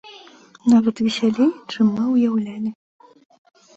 Нават весялей, чым мы ўяўлялі.